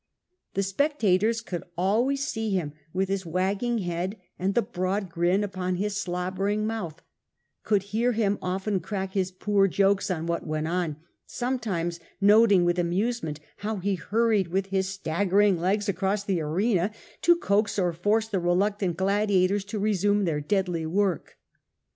The spectators could always see him, with his wagging head and the broad grin upon his slobbering mouth, could hear him often crack his poor jokes on what went on, sometimes noted with amusement how he hurried with his staggering legs across the arena to coax or force the reluctant gladiators to resume their deadly work.